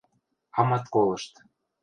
Амат колышт.